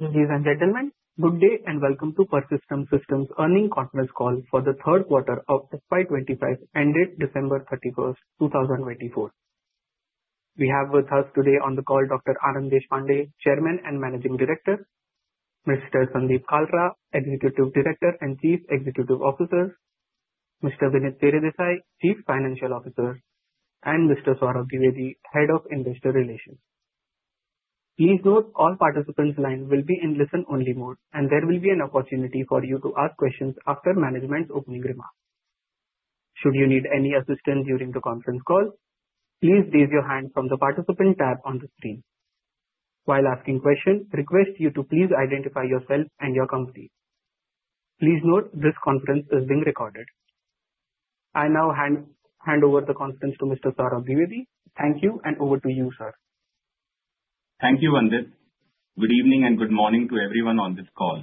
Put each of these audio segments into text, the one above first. Ladies and gentlemen, good day and welcome to Persistent Systems earnings conference call for the third quarter of FY 2025 ended December 31, 2024. We have with us today on the call Dr. Anand Deshpande, Chairman and Managing Director, Mr. Sandeep Kalra, Executive Director and Chief Executive Officer, Mr. Vinit Teredesai, Chief Financial Officer, and Mr. Saurabh Dwivedi, Head of Investor Relations. Please note all participants' lines will be in listen-only mode, and there will be an opportunity for you to ask questions after management's opening remarks. Should you need any assistance during the conference call, please raise your hand from the participant tab on the screen. While asking questions, request you to please identify yourself and your company. Please note this conference is being recorded. I now hand over the conference to Mr. Saurabh Dwivedi. Thank you, and over to you, sir. Thank you, Nandita. Good evening and good morning to everyone on this call.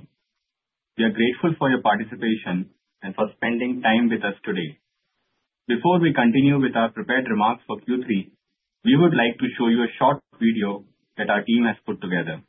We are grateful for your participation and for spending time with us today. Before we continue with our prepared remarks for Q3, we would like to show you a short video that our team has put together.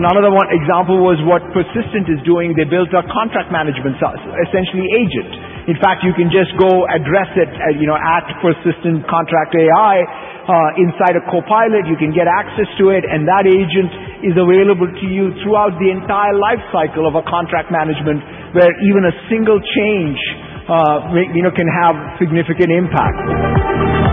Another example was what Persistent is doing. They built a contract management, essentially, agent. In fact, you can just go address it at persistentcontract.ai inside a Copilot. You can get access to it, and that agent is available to you throughout the entire lifecycle of a contract management, where even a single change can have significant impact.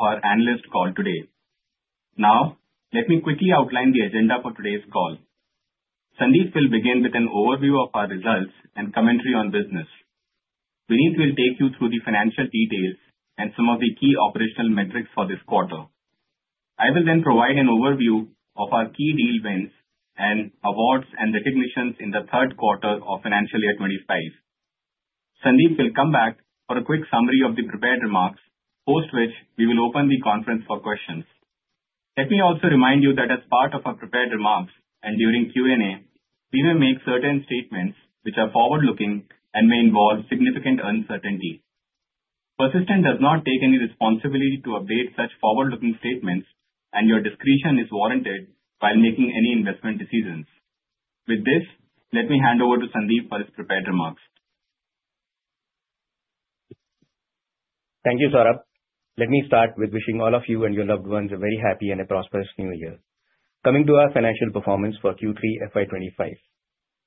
Hope we were able to add a unique and interesting element to your experience of our analyst call today. Now, let me quickly outline the agenda for today's call. Sandeep will begin with an overview of our results and commentary on business. Vinit will take you through the financial details and some of the key operational metrics for this quarter. I will then provide an overview of our key deal wins and awards and recognitions in the third quarter of financial year 25. Sandeep will come back for a quick summary of the prepared remarks, post which we will open the conference for questions. Let me also remind you that as part of our prepared remarks and during Q&A, we may make certain statements which are forward-looking and may involve significant uncertainty. Persistent does not take any responsibility to update such forward-looking statements, and your discretion is warranted while making any investment decisions. With this, let me hand over to Sandeep for his prepared remarks. Thank you, Saurabh. Let me start with wishing all of you and your loved ones a very happy and a prosperous new year, coming to our financial performance for Q3 FY 2025.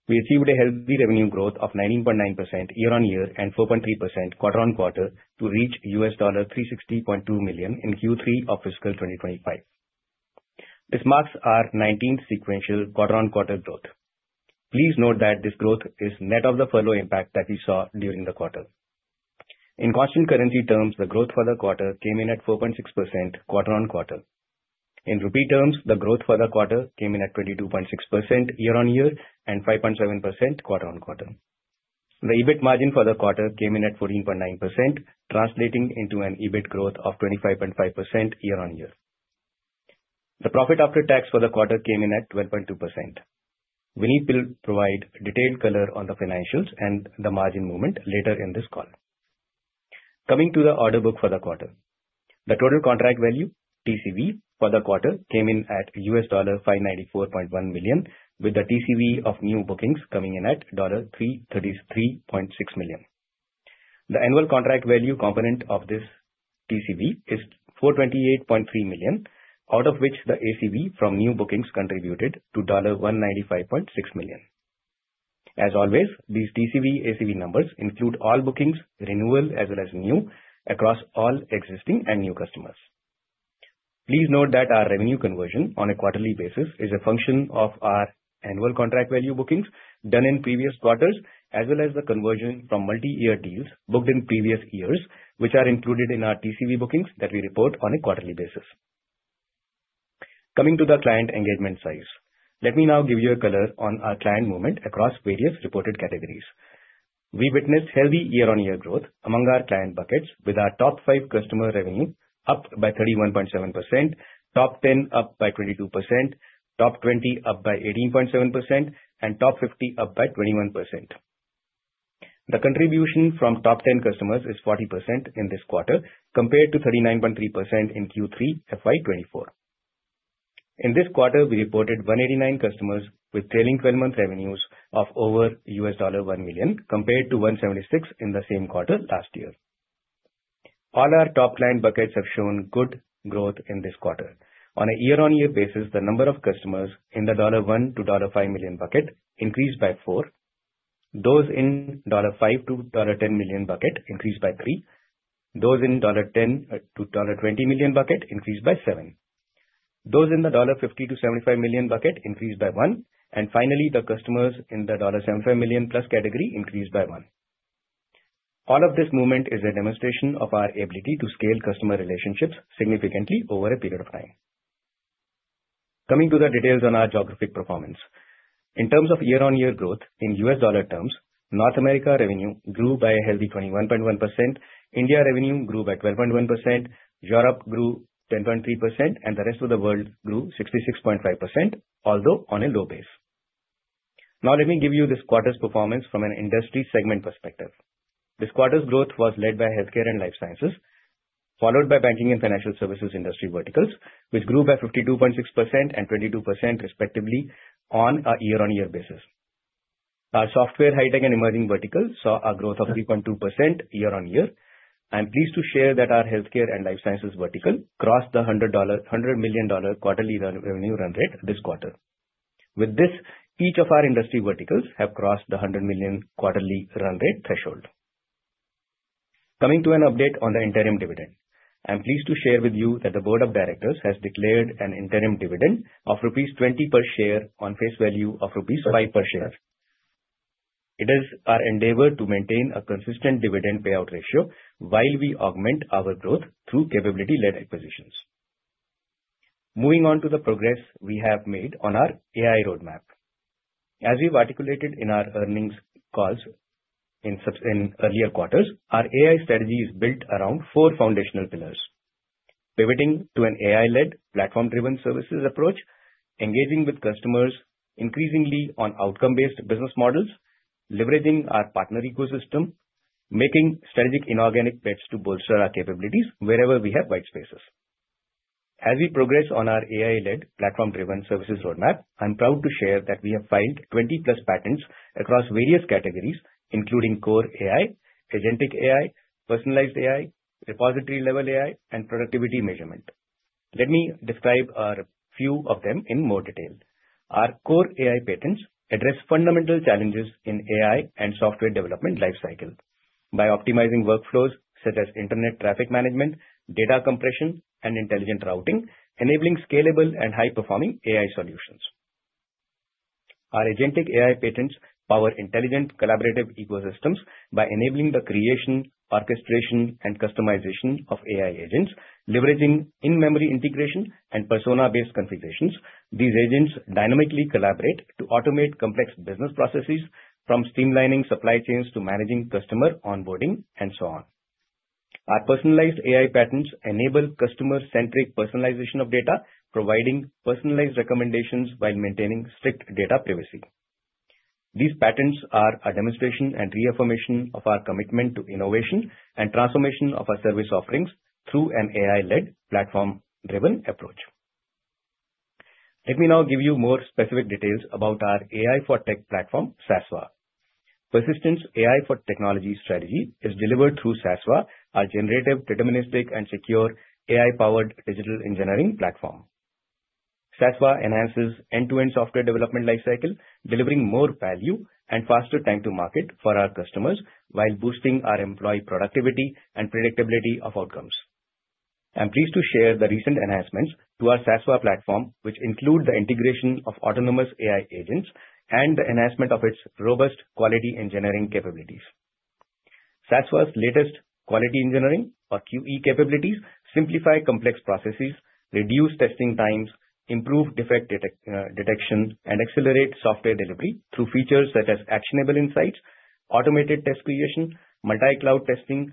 We achieved a healthy revenue growth of 19.9% year-on-year and 4.3% quarter-on-quarter to reach $360.2 million in Q3 of fiscal 2025. These marks are 19th sequential quarter-on-quarter growth. Please note that this growth is net of the furlough impact that we saw during the quarter. In constant currency terms, the growth for the quarter came in at 4.6% quarter-on-quarter. In Rupee terms, the growth for the quarter came in at 22.6% year-on-year and 5.7% quarter-on-quarter. The EBIT margin for the quarter came in at 14.9%, translating into an EBIT growth of 25.5% year-on-year. The profit after tax for the quarter came in at 12.2%. Vinit will provide detailed color on the financials and the margin movement later in this call. Coming to the order book for the quarter, the total contract value (TCV) for the quarter came in at $594.1 million, with the TCV of new bookings coming in at $333.6 million. The annual contract value component of this TCV is $428.3 million, out of which the ACV from new bookings contributed to $195.6 million. As always, these TCV/ACV numbers include all bookings, renewal, as well as new, across all existing and new customers. Please note that our revenue conversion on a quarterly basis is a function of our annual contract value bookings done in previous quarters, as well as the conversion from multi-year deals booked in previous years, which are included in our TCV bookings that we report on a quarterly basis. Coming to the client engagement size, let me now give you a color on our client movement across various reported categories. We witnessed healthy year-on-year growth among our client buckets, with our top five customer revenue up by 31.7%, top 10 up by 22%, top 20 up by 18.7%, and top 50 up by 21%. The contribution from top 10 customers is 40% in this quarter, compared to 39.3% in Q3 FY 2024. In this quarter, we reported 189 customers with trailing 12-month revenues of over $1 million, compared to 176 in the same quarter last year. All our top client buckets have shown good growth in this quarter. On a year-on-year basis, the number of customers in the $1 to $5 million bucket increased by four. Those in the $5 to $10 million bucket increased by three. Those in the $10 to $20 million bucket increased by seven. Those in the $50-$75 million bucket increased by one, and finally, the customers in the $75 million plus category increased by one. All of this movement is a demonstration of our ability to scale customer relationships significantly over a period of time. Coming to the details on our geographic performance, in terms of year-on-year growth in U.S. dollar terms, North America revenue grew by a healthy 21.1%. India revenue grew by 12.1%. Europe grew 10.3%, and the rest of the world grew 66.5%, although on a low base. Now, let me give you this quarter's performance from an industry segment perspective. This quarter's growth was led by healthcare and life sciences, followed by banking and financial services industry verticals, which grew by 52.6% and 22%, respectively, on a year-on-year basis. Our software, Hi-Tech, and emerging verticals saw a growth of 3.2% year-on-year. I'm pleased to share that our healthcare and life sciences vertical crossed the $100 million quarterly revenue run rate this quarter. With this, each of our industry verticals has crossed the $100 million quarterly run rate threshold. Coming to an update on the interim dividend, I'm pleased to share with you that the Board of Directors has declared an interim dividend of rupees 20 per share on face value of rupees 5 per share. It is our endeavor to maintain a consistent dividend payout ratio while we augment our growth through capability-led acquisitions. Moving on to the progress we have made on our AI roadmap. As we've articulated in our earnings calls in earlier quarters, our AI strategy is built around four foundational pillars: pivoting to an AI-led, platform-driven services approach, engaging with customers increasingly on outcome-based business models, leveraging our partner ecosystem, and making strategic inorganic bets to bolster our capabilities wherever we have white spaces. As we progress on our AI-led, platform-driven services roadmap, I'm proud to share that we have filed 20-plus patents across various categories, including core AI, agentic AI, personalized AI, repository-level AI, and productivity measurement. Let me describe a few of them in more detail. Our core AI patents address fundamental challenges in AI and software development lifecycle by optimizing workflows such as internet traffic management, data compression, and intelligent routing, enabling scalable and high-performing AI solutions. Our agentic AI patents power intelligent collaborative ecosystems by enabling the creation, orchestration, and customization of AI agents, leveraging in-memory integration and persona-based configurations. These agents dynamically collaborate to automate complex business processes, from streamlining supply chains to managing customer onboarding, and so on. Our personalized AI patents enable customer-centric personalization of data, providing personalized recommendations while maintaining strict data privacy. These patents are a demonstration and reaffirmation of our commitment to innovation and transformation of our service offerings through an AI-led, platform-driven approach. Let me now give you more specific details about our AI for tech platform, SASVA. Persistent's AI for technology strategy is delivered through SASVA, our generative, deterministic, and secure AI-powered digital engineering platform. SASVA enhances end-to-end software development lifecycle, delivering more value and faster time to market for our customers while boosting our employee productivity and predictability of outcomes. I'm pleased to share the recent enhancements to our SASVA platform, which include the integration of autonomous AI agents and the enhancement of its robust quality engineering capabilities. SASVA's latest quality engineering, or QE, capabilities simplify complex processes, reduce testing times, improve defect detection, and accelerate software delivery through features such as actionable insights, automated test creation, multi-cloud testing,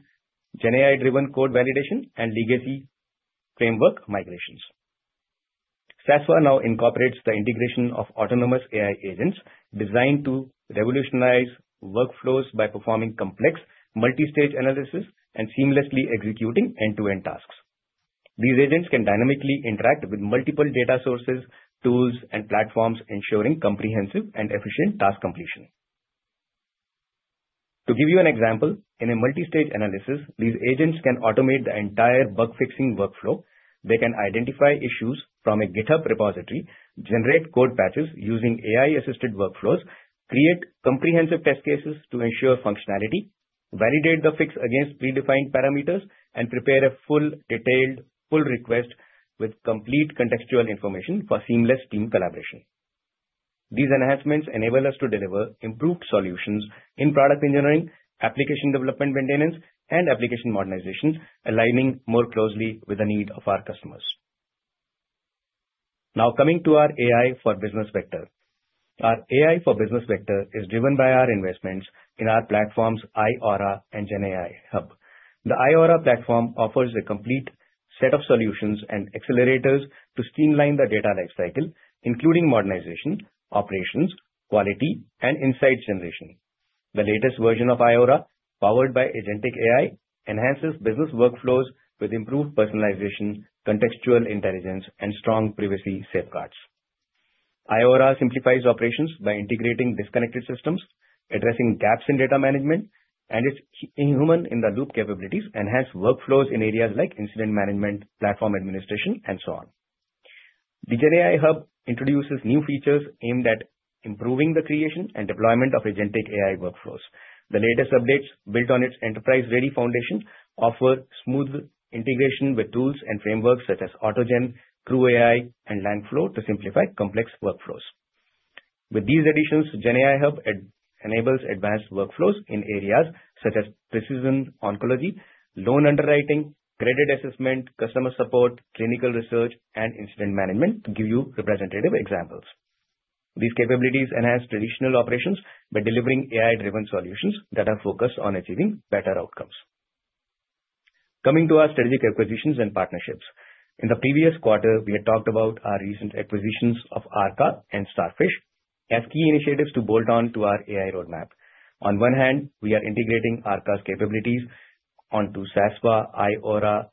GenAI-driven code validation, and legacy framework migrations. SASVA now incorporates the integration of autonomous AI agents designed to revolutionize workflows by performing complex multi-stage analysis and seamlessly executing end-to-end tasks. These agents can dynamically interact with multiple data sources, tools, and platforms, ensuring comprehensive and efficient task completion. To give you an example, in a multi-stage analysis, these agents can automate the entire bug-fixing workflow. They can identify issues from a GitHub repository, generate code patches using AI-assisted workflows, create comprehensive test cases to ensure functionality, validate the fix against predefined parameters, and prepare a full detailed pull request with complete contextual information for seamless team collaboration. These enhancements enable us to deliver improved solutions in product engineering, application development maintenance, and application modernizations, aligning more closely with the needs of our customers. Now, coming to our AI for business vector, our AI for business vector is driven by our investments in our platforms, iAURA and GenAI Hub. The iAURA platform offers a complete set of solutions and accelerators to streamline the data lifecycle, including modernization, operations, quality, and insight generation. The latest version of iAURA, powered by agentic AI, enhances business workflows with improved personalization, contextual intelligence, and strong privacy safeguards. iAURA simplifies operations by integrating disconnected systems, addressing gaps in data management, and its human-in-the-loop capabilities enhance workflows in areas like incident management, platform administration, and so on. The GenAI Hub introduces new features aimed at improving the creation and deployment of agentic AI workflows. The latest updates, built on its enterprise-ready foundation, offer smooth integration with tools and frameworks such as AutoGen, CrewAI, and Langflow to simplify complex workflows. With these additions, GenAI Hub enables advanced workflows in areas such as precision oncology, loan underwriting, credit assessment, customer support, clinical research, and incident management to give you representative examples. These capabilities enhance traditional operations by delivering AI-driven solutions that are focused on achieving better outcomes. Coming to our strategic acquisitions and partnerships, in the previous quarter, we had talked about our recent acquisitions of Arrka and Starfish as key initiatives to bolt on to our AI roadmap. On one hand, we are integrating Arrka's capabilities onto SASVA, iAURA,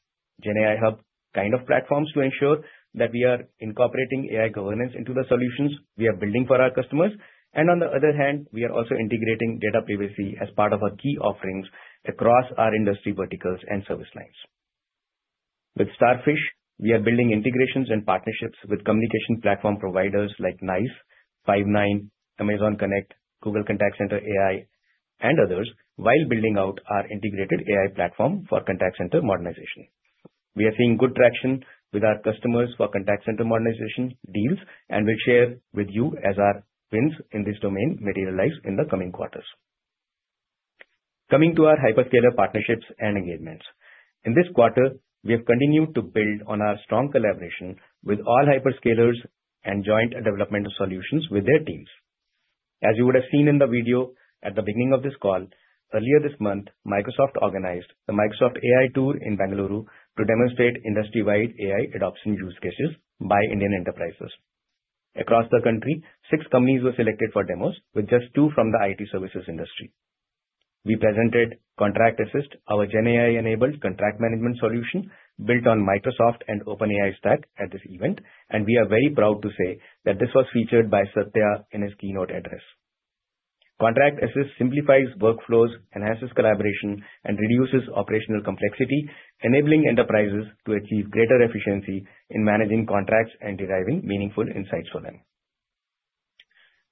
GenAI Hub kind of platforms to ensure that we are incorporating AI governance into the solutions we are building for our customers. And on the other hand, we are also integrating data privacy as part of our key offerings across our industry verticals and service lines. With Starfish, we are building integrations and partnerships with communication platform providers like NICE, Five9, Amazon Connect, Google Contact Center AI, and others while building out our integrated AI platform for contact center modernization. We are seeing good traction with our customers for contact center modernization deals, and we'll share with you as our wins in this domain materialize in the coming quarters. Coming to our hyperscaler partnerships and engagements, in this quarter, we have continued to build on our strong collaboration with all hyperscalers and joint development of solutions with their teams. As you would have seen in the video at the beginning of this call, earlier this month, Microsoft organized the Microsoft AI Tour in Bengaluru to demonstrate industry-wide AI adoption use cases by Indian enterprises. Across the country, six companies were selected for demos, with just two from the IT services industry. We presented ContractAssist, our GenAI-enabled contract management solution built on Microsoft and OpenAI stack at this event, and we are very proud to say that this was featured by Satya in his keynote address. ContractAssist simplifies workflows, enhances collaboration, and reduces operational complexity, enabling enterprises to achieve greater efficiency in managing contracts and deriving meaningful insights for them.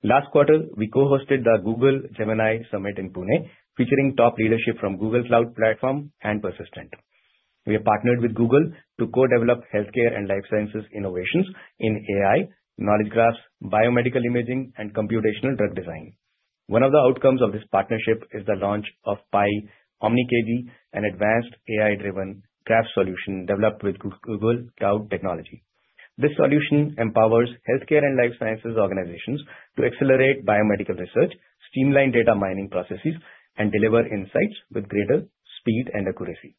Last quarter, we co-hosted the Google Gemini Summit in Pune, featuring top leadership from Google Cloud Platform and Persistent. We have partnered with Google to co-develop healthcare and life sciences innovations in AI, knowledge graphs, biomedical imaging, and computational drug design. One of the outcomes of this partnership is the launch of Pi OmniKG, an advanced AI-driven graph solution developed with Google Cloud technology. This solution empowers healthcare and life sciences organizations to accelerate biomedical research, streamline data mining processes, and deliver insights with greater speed and accuracy.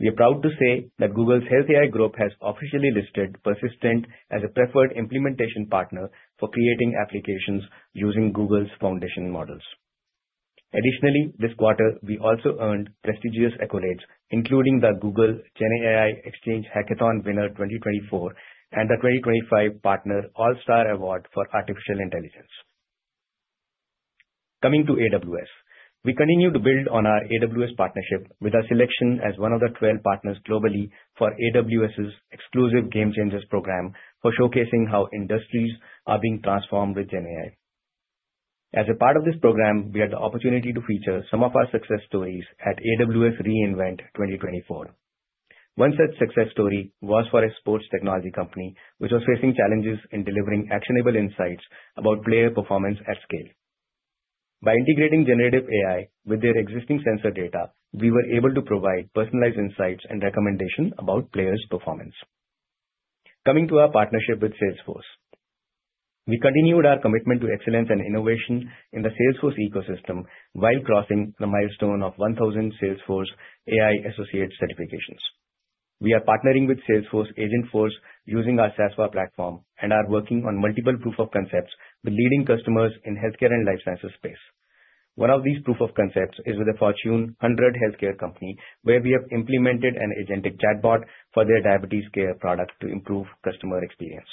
We are proud to say that Google's Health AI Group has officially listed Persistent as a preferred implementation partner for creating applications using Google's foundation models. Additionally, this quarter, we also earned prestigious accolades, including the Google GenAI Exchange Hackathon Winner 2024 and the 2025 Partner All-Star Award for Artificial Intelligence. Coming to AWS, we continue to build on our AWS partnership with our selection as one of the 12 partners globally for AWS's exclusive Gamechangers program for showcasing how industries are being transformed with GenAI. As a part of this program, we had the opportunity to feature some of our success stories at AWS re:Invent 2024. One such success story was for a sports technology company, which was facing challenges in delivering actionable insights about player performance at scale. By integrating generative AI with their existing sensor data, we were able to provide personalized insights and recommendations about players' performance. Coming to our partnership with Salesforce, we continued our commitment to excellence and innovation in the Salesforce ecosystem while crossing the milestone of 1,000 Salesforce AI Associate certifications. We are partnering with Salesforce Agentforce using our SASVA platform and are working on multiple proof of concepts with leading customers in healthcare and life sciences space. One of these proof of concepts is with a Fortune 100 healthcare company, where we have implemented an agentic chatbot for their diabetes care product to improve customer experience.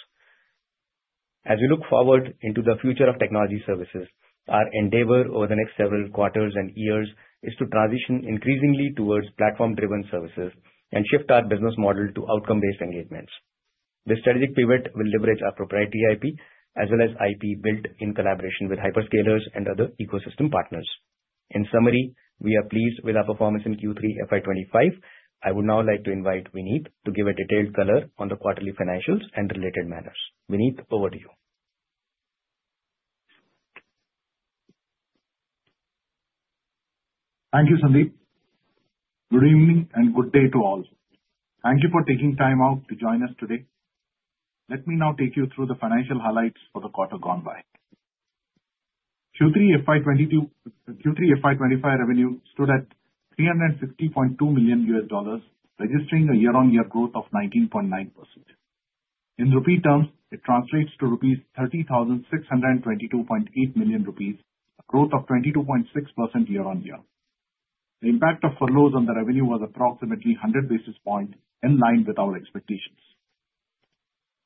As we look forward into the future of technology services, our endeavor over the next several quarters and years is to transition increasingly towards platform-driven services and shift our business model to outcome-based engagements. This strategic pivot will leverage our proprietary IP as well as IP built in collaboration with hyperscalers and other ecosystem partners. In summary, we are pleased with our performance in Q3 FY 2025. I would now like to invite Vinit to give a detailed color on the quarterly financials and related matters. Vinit, over to you. Thank you, Sandeep. Good evening and good day to all. Thank you for taking time out to join us today. Let me now take you through the financial highlights for the quarter gone by. Q3 FY 2025 revenue stood at $360.2 million, registering a year-on-year growth of 19.9%. In rupee terms, it translates to 30,622.8 million rupees, a growth of 22.6% year-on-year. The impact of furloughs on the revenue was approximately 100 basis points, in line with our expectations.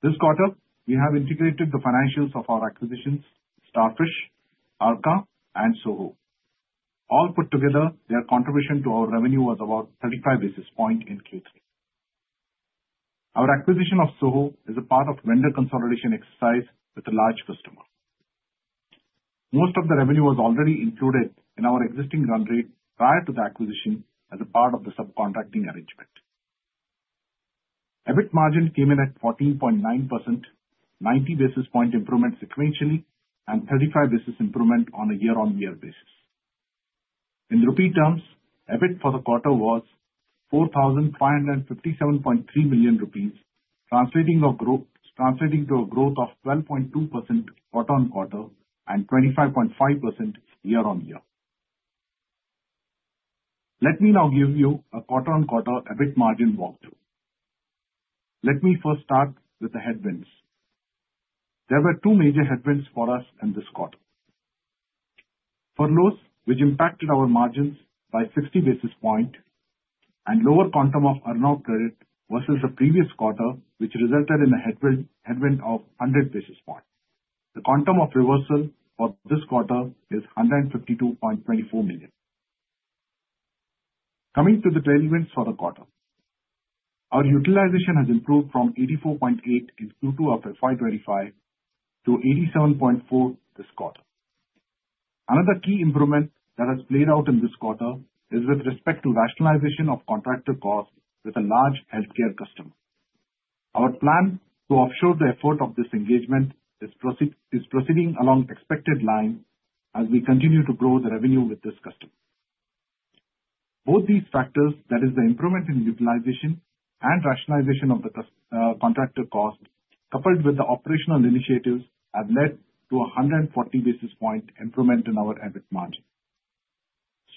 This quarter, we have integrated the financials of our acquisitions: Starfish, Arrka, and SoHo. All put together, their contribution to our revenue was about 35 basis points in Q3. Our acquisition of SoHo is a part of vendor consolidation exercise with a large customer. Most of the revenue was already included in our existing run rate prior to the acquisition as a part of the subcontracting arrangement. EBIT margin came in at 14.9%, 90 basis point improvement sequentially, and 35 basis points improvement on a year-on-year basis. In rupee terms, EBIT for the quarter was 4,557.3 million rupees, translating to a growth of 12.2% quarter-on-quarter and 25.5% year-on-year. Let me now give you a quarter-on-quarter EBIT margin walkthrough. Let me first start with the headwinds. There were two major headwinds for us in this quarter: furloughs, which impacted our margins by 60 basis points, and lower quantum of earn-out credit versus the previous quarter, which resulted in a headwind of 100 basis points. The quantum of reversal for this quarter is 152.24 million. Coming to the tailwinds for the quarter, our utilization has improved from 84.8 in Q2 of FY 2025 to 87.4 this quarter. Another key improvement that has played out in this quarter is with respect to rationalization of contractor costs with a large healthcare customer. Our plan to offshore the effort of this engagement is proceeding along expected lines as we continue to grow the revenue with this customer. Both these factors, that is, the improvement in utilization and rationalization of the contractor costs, coupled with the operational initiatives, have led to a 140 basis points improvement in our EBIT margin.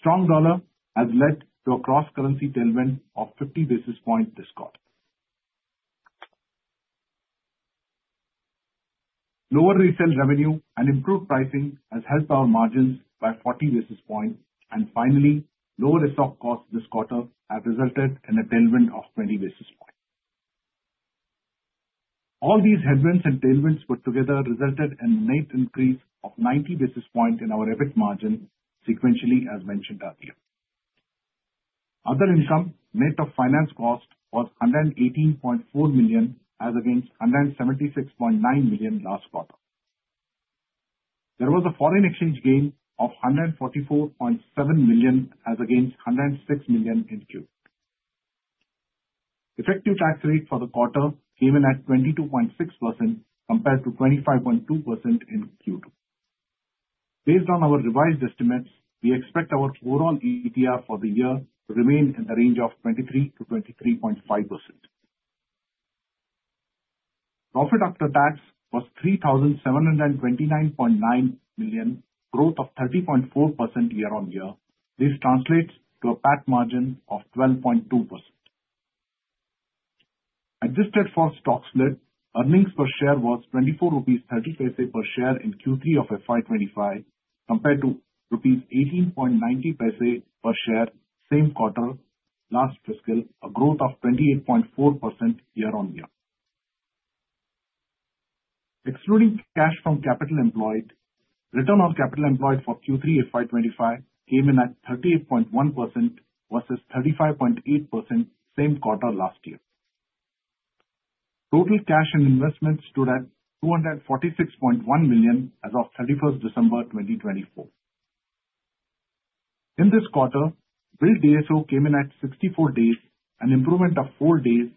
Strong dollar has led to a cross-currency tailwind of 50 basis points this quarter. Lower resale revenue and improved pricing have helped our margins by 40 basis points. And finally, lower stock costs this quarter have resulted in a tailwind of 20 basis points. All these headwinds and tailwinds put together resulted in a net increase of 90 basis points in our EBIT margin sequentially, as mentioned earlier. Other income, net of finance cost, was 118.4 million as against 176.9 million last quarter. There was a foreign exchange gain of 144.7 million as against 106 million in Q2. Effective tax rate for the quarter came in at 22.6% compared to 25.2% in Q2. Based on our revised estimates, we expect our overall ETR for the year to remain in the range of 23% to 23.5%. Profit after tax was 3,729.9 million, growth of 30.4% year-on-year. This translates to a PAT margin of 12.2%. Adjusted for stock split, earnings per share was Rs 24.30 per share in Q3 of FY 2025 compared to Rs 18.90 per share same quarter last fiscal, a growth of 28.4% year-on-year. Excluding cash from capital employed, return on capital employed for Q3 FY 2025 came in at 38.1% versus 35.8% same quarter last year. Total cash and investment stood at 246.1 million as of 31st December 2024. In this quarter, billed DSO came in at 64 days, an improvement of four days,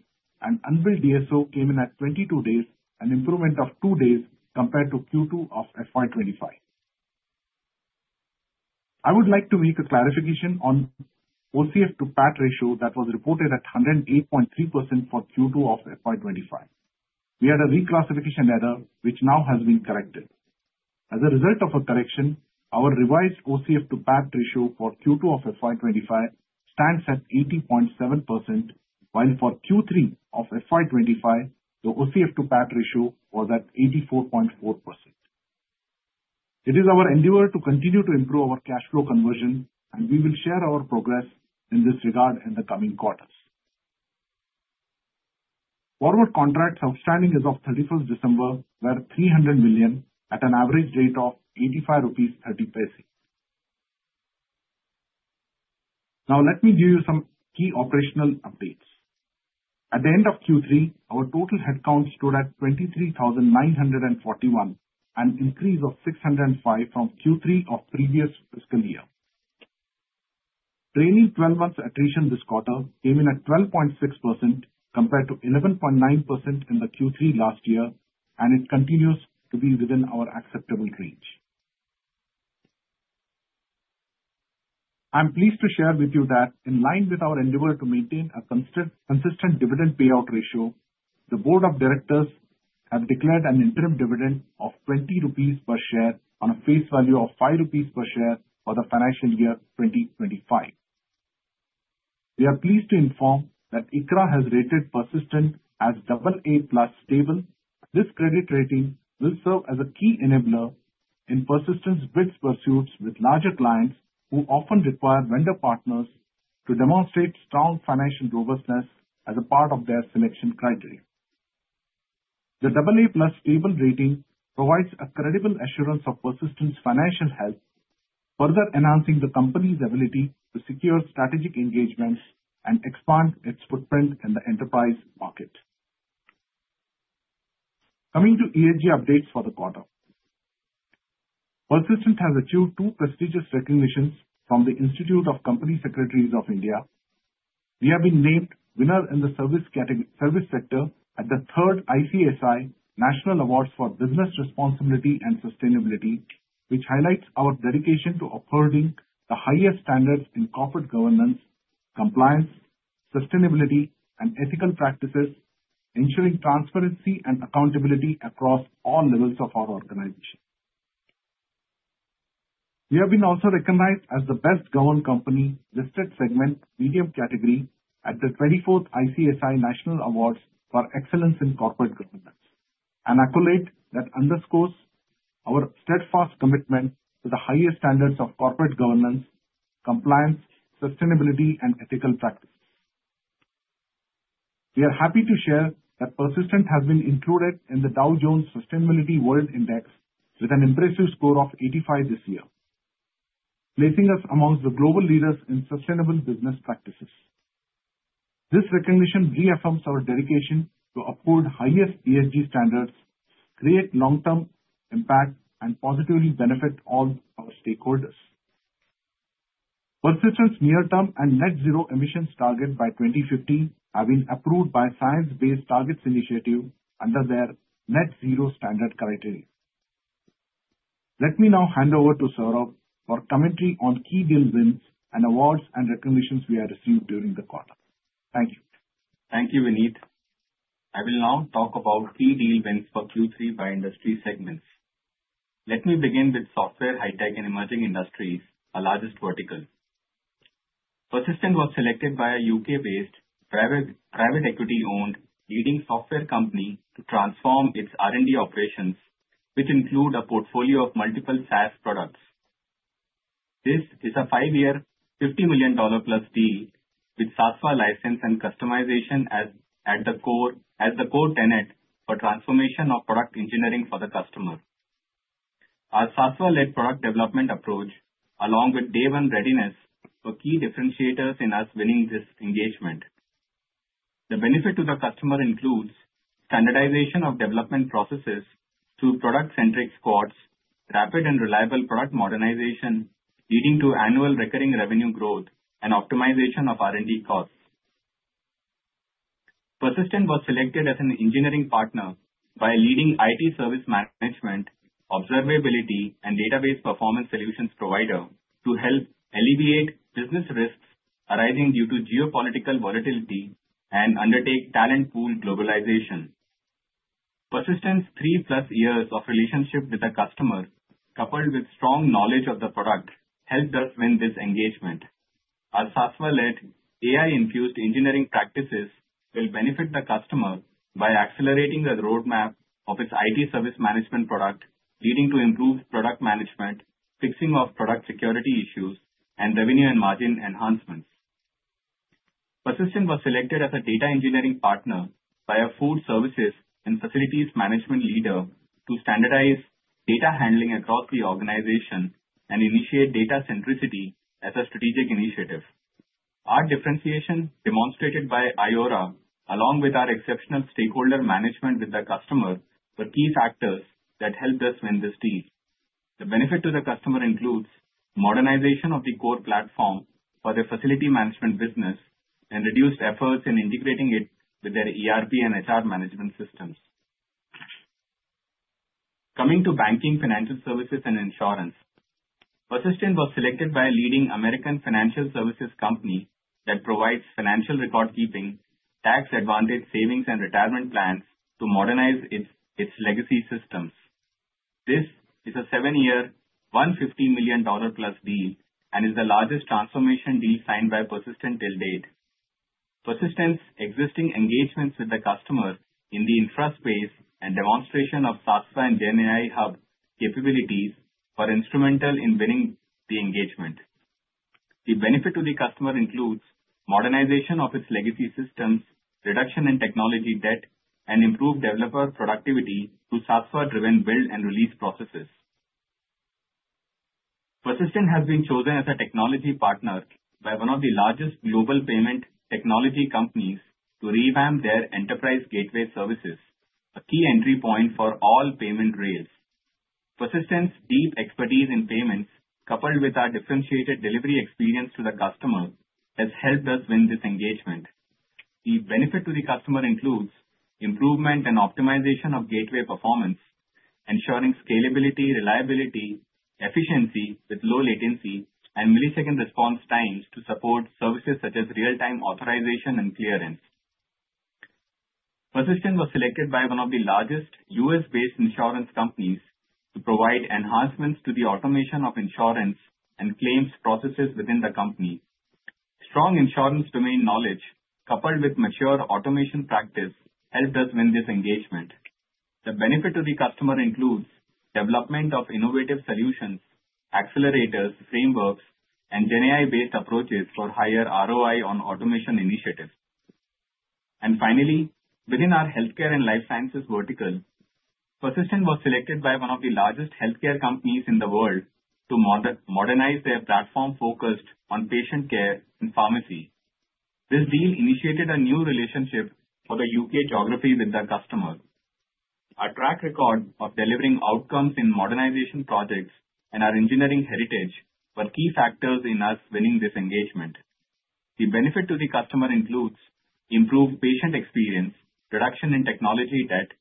and unbilled DSO came in at 22 days, an improvement of two days compared to Q2 of FY 2025. I would like to make a clarification on the OCF to PAT ratio that was reported at 108.3% for Q2 of FY 2025. We had a reclassification error, which now has been corrected. As a result of a correction, our revised OCF to PAT ratio for Q2 of FY 2025 stands at 80.7%, while for Q3 of FY 2025, the OCF to PAT ratio was at 84.4%. It is our endeavor to continue to improve our cash flow conversion, and we will share our progress in this regard in the coming quarters. Forward contracts outstanding as of 31st December were $300 million at an average rate of 85.30 rupees. Now, let me give you some key operational updates. At the end of Q3, our total headcount stood at 23,941, an increase of 605 from Q3 of previous fiscal year. Trailing 12-month attrition this quarter came in at 12.6% compared to 11.9% in the Q3 last year, and it continues to be within our acceptable range. I'm pleased to share with you that in line with our endeavor to maintain a consistent dividend payout ratio, the Board of Directors has declared an interim dividend of 20 rupees per share on a face value of 5 rupees per share for the financial year 2025. We are pleased to inform that ICRA has rated Persistent as AA+ stable. This credit rating will serve as a key enabler in Persistent's bid pursuits with larger clients who often require vendor partners to demonstrate strong financial robustness as a part of their selection criteria. The AA+ stable rating provides a credible assurance of Persistent's financial health, further enhancing the company's ability to secure strategic engagements and expand its footprint in the enterprise market. Coming to ESG updates for the quarter, Persistent has achieved two prestigious recognitions from the Institute of Company Secretaries of India. We have been named winner in the service sector at the third ICSI National Awards for Business Responsibility and Sustainability, which highlights our dedication to upholding the highest standards in corporate governance, compliance, sustainability, and ethical practices, ensuring transparency and accountability across all levels of our organization. We have been also recognized as the best-governed company listed segment medium category at the 24th ICSI National Awards for Excellence in Corporate Governance, an accolade that underscores our steadfast commitment to the highest standards of corporate governance, compliance, sustainability, and ethical practices. We are happy to share that Persistent has been included in the Dow Jones Sustainability World Index with an impressive score of 85 this year, placing us amongst the global leaders in sustainable business practices. This recognition reaffirms our dedication to uphold highest ESG standards, create long-term impact, and positively benefit all our stakeholders. Persistent's near-term and net-zero emissions target by 2050 have been approved by Science Based Targets initiative under their net-zero standard criteria. Let me now hand over to Saurabh for commentary on key deal wins and awards and recognitions we have received during the quarter. Thank you. Thank you, Vinit. I will now talk about key deal wins for Q3 by industry segments. Let me begin with software, Hi-Tech, and emerging industries, our largest vertical. Persistent was selected by a U.K.-based, private equity-owned, leading software company to transform its R&D operations, which include a portfolio of multiple SaaS products. This is a five-year, $50 million-plus deal with SaaS license and customization as the core tenet for transformation of product engineering for the customer. Our SaaS-led product development approach, along with day-one readiness, were key differentiators in us winning this engagement. The benefit to the customer includes standardization of development processes through product-centric squads, rapid and reliable product modernization, leading to annual recurring revenue growth, and optimization of R&D costs. Persistent was selected as an engineering partner by a leading IT service management, observability, and database performance solutions provider to help alleviate business risks arising due to geopolitical volatility and undertake talent pool globalization. Persistent's three-plus years of relationship with the customer, coupled with strong knowledge of the product, helped us win this engagement. Our SaaS-led AI-infused engineering practices will benefit the customer by accelerating the roadmap of its IT service management product, leading to improved product management, fixing of product security issues, and revenue and margin enhancements. Persistent was selected as a data engineering partner by a food services and facilities management leader to standardize data handling across the organization and initiate data centricity as a strategic initiative. Our differentiation demonstrated by iAURA, along with our exceptional stakeholder management with the customer, were key factors that helped us win this deal. The benefit to the customer includes modernization of the core platform for the facility management business and reduced efforts in integrating it with their ERP and HR management systems. Coming to banking, financial services, and insurance, Persistent was selected by a leading American financial services company that provides financial record-keeping, tax-advantaged savings, and retirement plans to modernize its legacy systems. This is a seven-year, $150 million-plus deal and is the largest transformation deal signed by Persistent till date. Persistent's existing engagements with the customer in the infra space and demonstration of SaaS and GenAI Hub capabilities were instrumental in winning the engagement. The benefit to the customer includes modernization of its legacy systems, reduction in technology debt, and improved developer productivity through SaaS-driven build and release processes. Persistent has been chosen as a technology partner by one of the largest global payment technology companies to revamp their enterprise gateway services, a key entry point for all payment rails. Persistent's deep expertise in payments, coupled with our differentiated delivery experience to the customer, has helped us win this engagement. The benefit to the customer includes improvement and optimization of gateway performance, ensuring scalability, reliability, efficiency with low latency, and millisecond response times to support services such as real-time authorization and clearance. Persistent was selected by one of the largest U.S.-based insurance companies to provide enhancements to the automation of insurance and claims processes within the company. Strong insurance domain knowledge, coupled with mature automation practice, helped us win this engagement. The benefit to the customer includes development of innovative solutions, accelerators, frameworks, and GenAI-based approaches for higher ROI on automation initiatives. And finally, within our healthcare and life sciences vertical, Persistent was selected by one of the largest healthcare companies in the world to modernize their platform focused on patient care and pharmacy. This deal initiated a new relationship for the U.K. geography with the customer. Our track record of delivering outcomes in modernization projects and our engineering heritage were key factors in us winning this engagement. The benefit to the customer includes improved patient experience, reduction in technology debt,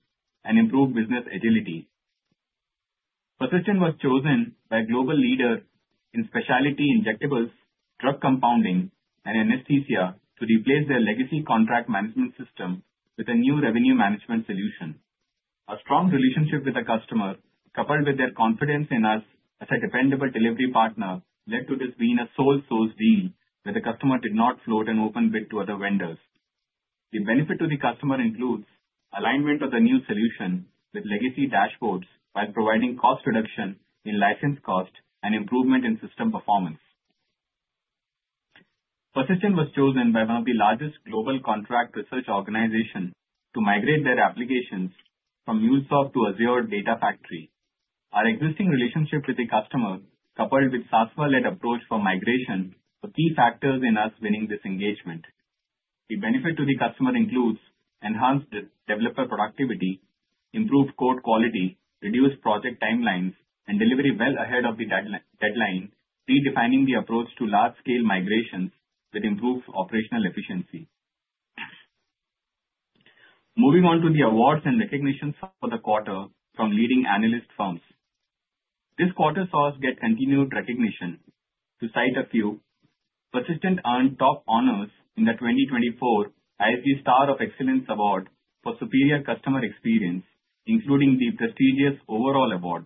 and improved business agility. Persistent was chosen by global leaders in specialty injectables, drug compounding, and anesthesia to replace their legacy contract management system with a new revenue management solution. Our strong relationship with the customer, coupled with their confidence in us as a dependable delivery partner, led to this being a sole-source deal where the customer did not float an open bid to other vendors. The benefit to the customer includes alignment of the new solution with legacy dashboards while providing cost reduction in license cost and improvement in system performance. Persistent was chosen by one of the largest global contract research organizations to migrate their applications from MuleSoft to Azure Data Factory. Our existing relationship with the customer, coupled with SaaS-led approach for migration, were key factors in us winning this engagement. The benefit to the customer includes enhanced developer productivity, improved code quality, reduced project timelines, and delivery well ahead of the deadline, redefining the approach to large-scale migrations with improved operational efficiency. Moving on to the awards and recognitions for the quarter from leading analyst firms. This quarter saw us get continued recognition. To cite a few, Persistent earned top honors in the 2024 ISG Star of Excellence Award for superior customer experience, including the prestigious overall award.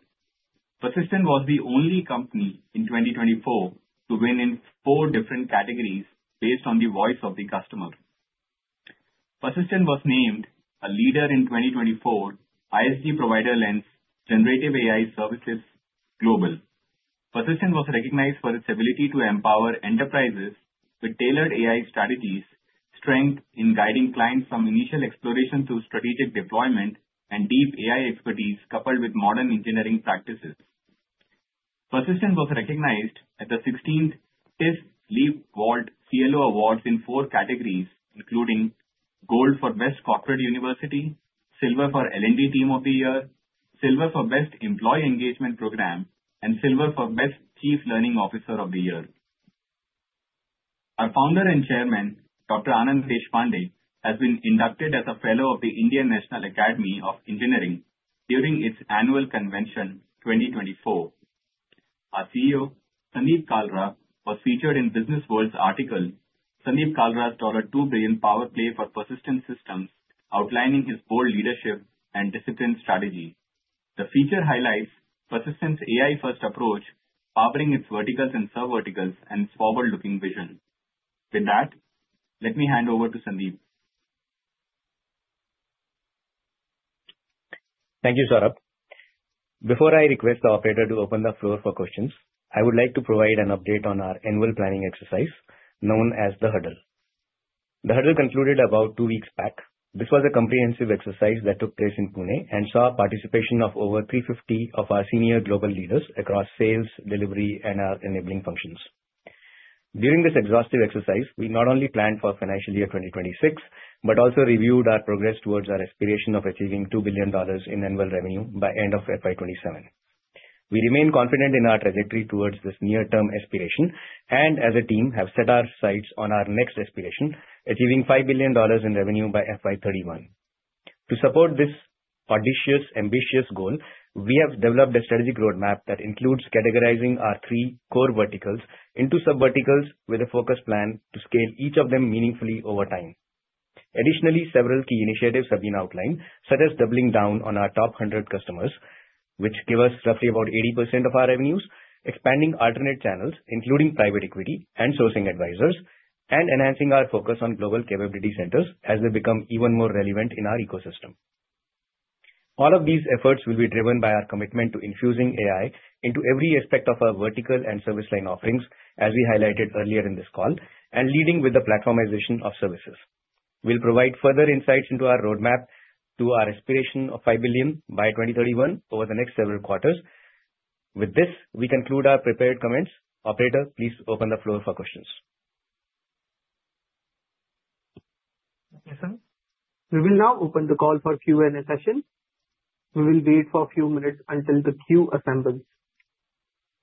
Persistent was the only company in 2024 to win in four different categories based on the voice of the customer. Persistent was named a leader in 2024 ISG Provider Lens generative AI services global. Persistent was recognized for its ability to empower enterprises with tailored AI strategies, strength in guiding clients from initial exploration through strategic deployment, and deep AI expertise coupled with modern engineering practices. Persistent was recognized at the 16th TISS LeapVault CLO Awards in four categories, including Gold for Best Corporate University, Silver for L&D Team of the Year, Silver for Best Employee Engagement Program, and Silver for Best Chief Learning Officer of the Year. Our founder and chairman, Dr. Anand Deshpande, has been inducted as a fellow of the Indian National Academy of Engineering during its annual convention 2024. Our CEO, Sandeep Kalra, was featured in Business World's article, "Sandeep Kalra's $2 billion Power Play for Persistent Systems," outlining his bold leadership and disciplined strategy. The feature highlights Persistent's AI-first approach, powering its verticals and sub-verticals and its forward-looking vision. With that, let me hand over to Sandeep. Thank you, Saurabh. Before I request the operator to open the floor for questions, I would like to provide an update on our annual planning exercise known as the Huddle. The Huddle concluded about two weeks back. This was a comprehensive exercise that took place in Pune and saw participation of over 350 of our senior global leaders across sales, delivery, and our enabling functions. During this exhaustive exercise, we not only planned for financial year 2026 but also reviewed our progress towards our aspiration of achieving $2 billion in annual revenue by end of FY 2027. We remain confident in our trajectory towards this near-term aspiration and, as a team, have set our sights on our next aspiration, achieving $5 billion in revenue by FY 2031. To support this audacious, ambitious goal, we have developed a strategic roadmap that includes categorizing our three core verticals into sub-verticals with a focus plan to scale each of them meaningfully over time. Additionally, several key initiatives have been outlined, such as doubling down on our top 100 customers, which give us roughly about 80% of our revenues, expanding alternate channels, including private equity and sourcing advisors, and enhancing our focus on global capability centers as they become even more relevant in our ecosystem. All of these efforts will be driven by our commitment to infusing AI into every aspect of our vertical and service line offerings, as we highlighted earlier in this call, and leading with the platformization of services. We'll provide further insights into our roadmap to our aspiration of $5 billion by 2031 over the next several quarters. With this, we conclude our prepared comments. Operator, please open the floor for questions. Thank you, sir. We will now open the call for Q&A session. We will wait for a few minutes until the queue assembles.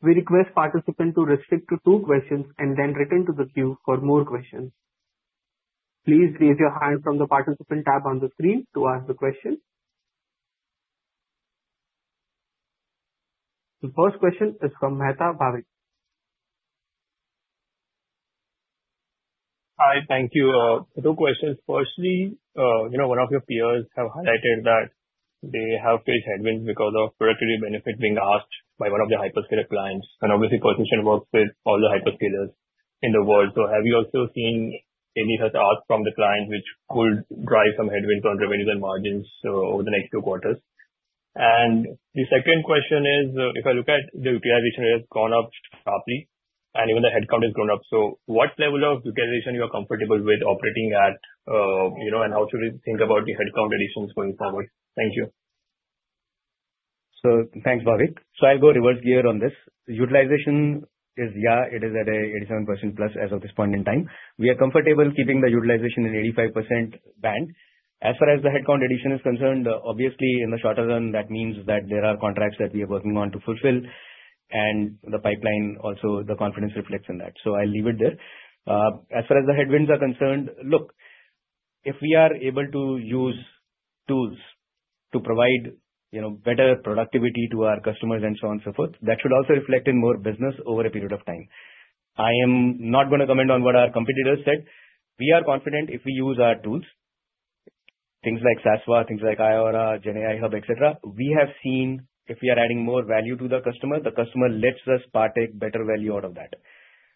We request participants to restrict to two questions and then return to the queue for more questions. Please raise your hand from the participant tab on the screen to ask the question. The first question is from Bhavik Mehta. Hi, thank you. Two questions. Firstly, you know one of your peers has highlighted that they have faced headwinds because of productivity benefits being asked by one of their hyperscaler clients. And obviously, Persistent works with all the hyperscalers in the world. So have you also seen any such ask from the client, which could drive some headwinds on revenues and margins over the next two quarters? And the second question is, if I look at the utilization, it has gone up sharply, and even the headcount has grown up. What level of utilization are you comfortable with operating at, you know, and how should we think about the headcount additions going forward? Thank you. So thanks, Bhavik. So I'll go reverse gear on this. Utilization is, yeah, it is at an 87% plus as of this point in time. We are comfortable keeping the utilization in 85% band. As far as the headcount addition is concerned, obviously, in the shorter run, that means that there are contracts that we are working on to fulfill, and the pipeline also, the confidence reflects in that. So I'll leave it there. As far as the headwinds are concerned, look, if we are able to use tools to provide, you know, better productivity to our customers and so on and so forth, that should also reflect in more business over a period of time. I am not going to comment on what our competitors said. We are confident if we use our tools, things like SaaS, things like iAURA, GenAI Hub, et cetera, we have seen if we are adding more value to the customer, the customer lets us partake better value out of that.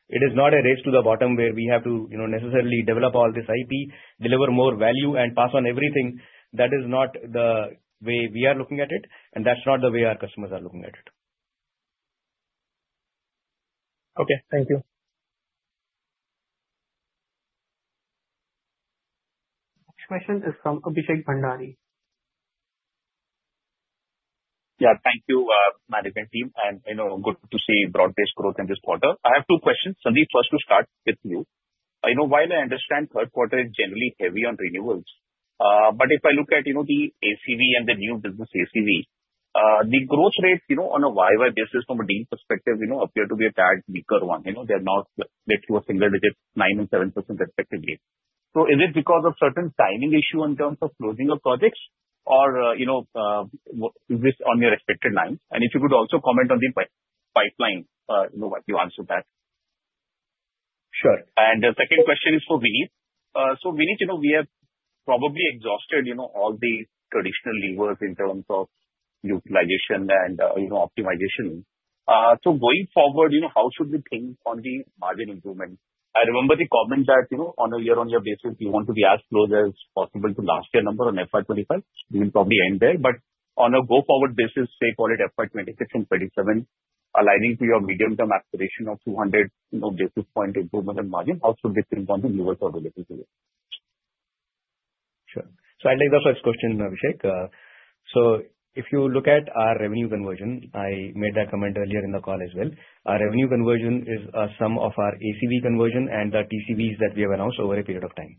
It is not a race to the bottom where we have to, you know, necessarily develop all this IP, deliver more value, and pass on everything. That is not the way we are looking at it, and that's not the way our customers are looking at it. Okay, thank you. Next question is from Abhishek Bhandari. Yeah, thank you, Management Team. And you know, good to see broad-based growth in this quarter. I have two questions. Sandeep, first to start with you. You know, while I understand third quarter is generally heavy on renewals, but if I look at, you know, the ACV and the new business ACV, the growth rates, you know, on a YY basis from a deal perspective, you know, appear to be a tad weaker one. You know, they're not, let's say, a single digit, 9% and 7% respectively. So is it because of certain timing issues in terms of closing of projects, or, you know, is this on your expected lines? And if you could also comment on the pipeline, you know, what you answered that. Sure. And the second question is for Vinit. So Vinit, you know, we have probably exhausted, you know, all the traditional levers in terms of utilization and, you know, optimization. So going forward, you know, how should we think on the margin improvement? I remember the comment that, you know, on a year-on-year basis, you want to be as close as possible to last year's number on FY 2025. We will probably end there. But on a go-forward basis, say, call it FY26 and FY27, aligning to your medium-term aspiration of 200 basis point improvement in margin, how should we think on the newest availability? Sure. So I'll take the first question, Abhishek. So if you look at our revenue conversion, I made that comment earlier in the call as well. Our revenue conversion is a sum of our ACV conversion and the TCVs that we have announced over a period of time.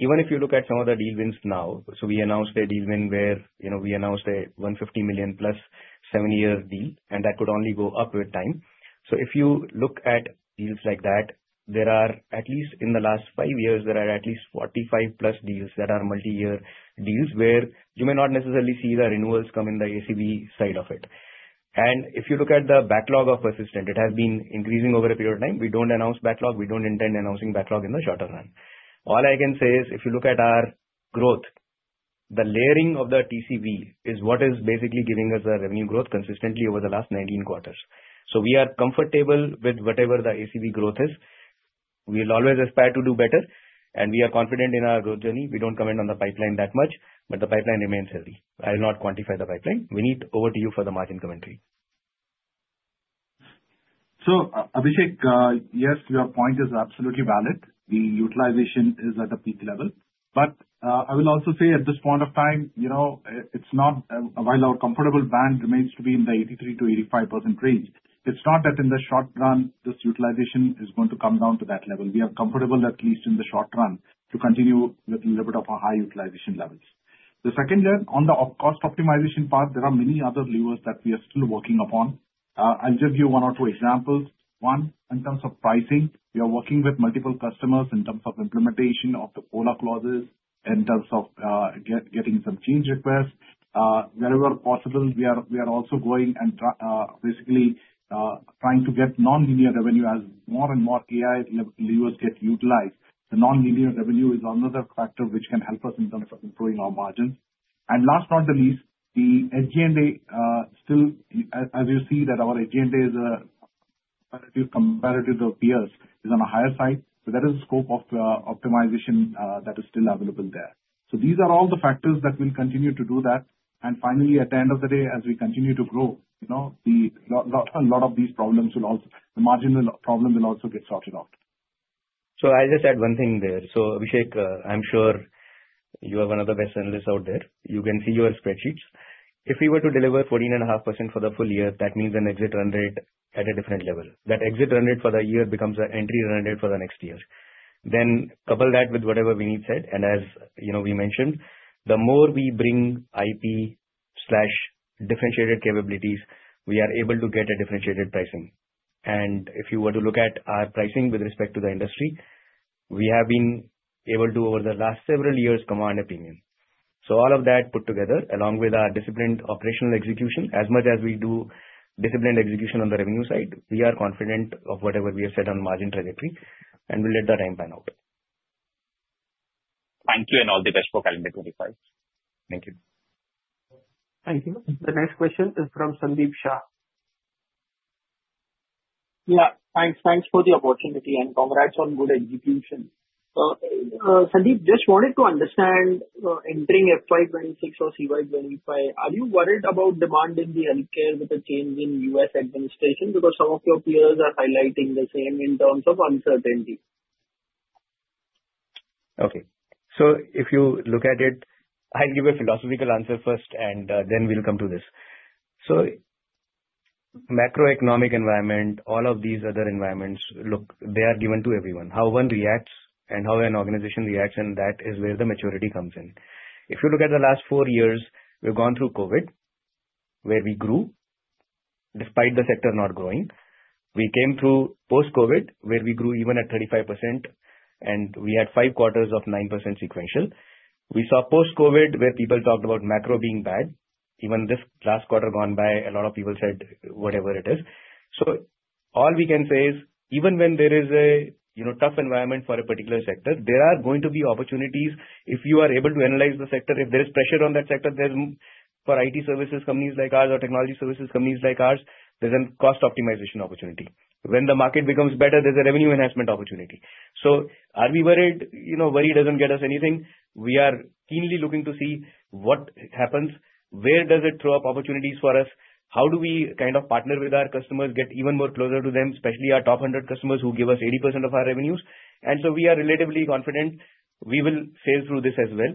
Even if you look at some of the deal wins now, so we announced a deal win where, you know, we announced a $150 million plus seven-year deal, and that could only go up with time. So if you look at deals like that, there are, at least in the last five years, there are at least 45-plus deals that are multi-year deals where you may not necessarily see the renewals come in the ACV side of it. And if you look at the backlog of Persistent, it has been increasing over a period of time. We don't announce backlog. We don't intend announcing backlog in the shorter run. All I can say is, if you look at our growth, the layering of the TCV is what is basically giving us the revenue growth consistently over the last 19 quarters. So we are comfortable with whatever the ACV growth is. We will always aspire to do better, and we are confident in our growth journey. We don't comment on the pipeline that much, but the pipeline remains heavy. I will not quantify the pipeline. Vinit, over to you for the margin commentary. So Abhishek, yes, your point is absolutely valid. The utilization is at a peak level. But I will also say, at this point of time, you know, it's not, while our comfortable band remains to be in the 83%-85% range, it's not that in the short run this utilization is going to come down to that level. We are comfortable, at least in the short run, to continue with a little bit of a high utilization levels. The second, on the cost optimization part, there are many other levers that we are still working upon. I'll just give one or two examples. One, in terms of pricing, we are working with multiple customers in terms of implementation of the COLA clauses and in terms of getting some change requests. Wherever possible, we are also going and basically trying to get non-linear revenue as more and more AI levers get utilized. The non-linear revenue is another factor which can help us in terms of improving our margins. And last but not the least, the EBITDA still, as you see, that our EBITDA is relatively comparative to peers, is on a higher side. So that is the scope of optimization that is still available there. So these are all the factors that will continue to do that. And finally, at the end of the day, as we continue to grow, you know, a lot of these problems will also, the marginal problem will also get sorted out. So I'll just add one thing there. So Abhishek, I'm sure you are one of the best analysts out there. You can see your spreadsheets. If we were to deliver 14.5% for the full year, that means an exit run rate at a different level. That exit run rate for the year becomes an entry run rate for the next year. Then couple that with whatever Vinit said. And as you know, we mentioned, the more we bring IP/differentiated capabilities, we are able to get a differentiated pricing. And if you were to look at our pricing with respect to the industry, we have been able to, over the last several years, command a premium. So all of that put together, along with our disciplined operational execution, as much as we do disciplined execution on the revenue side, we are confident of whatever we have set on margin trajectory, and we'll let the time pan out. Thank you, and all the best for calendar 2025. Thank you. Thank you. The next question is from Sandeep Shah. Yeah, thanks. Thanks for the opportunity and congrats on good execution. Sandeep, just wanted to understand, entering FY26 or CY25, are you worried about demand in the healthcare with a change in US administration? Because some of your peers are highlighting the same in terms of uncertainty. Okay. So if you look at it, I'll give a philosophical answer first, and then we'll come to this. So macroeconomic environment, all of these other environments, look, they are given to everyone. How one reacts and how an organization reacts, and that is where the maturity comes in. If you look at the last four years, we've gone through COVID, where we grew, despite the sector not growing. We came through post-COVID, where we grew even at 35%, and we had five quarters of 9% sequential. We saw post-COVID, where people talked about macro being bad. Even this last quarter gone by, a lot of people said, whatever it is. So all we can say is, even when there is a, you know, tough environment for a particular sector, there are going to be opportunities. If you are able to analyze the sector, if there is pressure on that sector, there's for IT services companies like ours or technology services companies like ours, there's a cost optimization opportunity. When the market becomes better, there's a revenue enhancement opportunity. So are we worried? You know, worry doesn't get us anything. We are keenly looking to see what happens, where does it throw up opportunities for us, how do we kind of partner with our customers, get even more closer to them, especially our top 100 customers who give us 80% of our revenues. And so we are relatively confident we will sail through this as well.